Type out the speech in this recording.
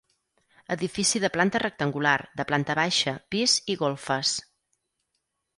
Edifici de planta rectangular, de planta baixa, pis i golfes.